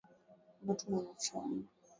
Moto unachoma